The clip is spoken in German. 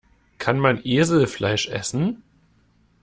Kann man Eselfleisch essen?